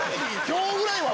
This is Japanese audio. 今日ぐらいは。